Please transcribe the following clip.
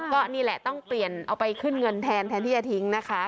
ก็นี่แหละต้องเปลี่ยนเอาไปขึ้นเงินแทนแทนที่จะทิ้งนะคะ